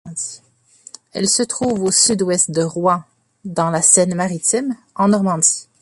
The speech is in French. Elle se trouve au sud-ouest de Rouen, dans la Seine-Maritime, en Normandie.